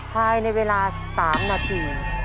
ภายในเวลา๓นาที